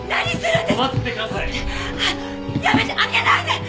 やめて開けないで！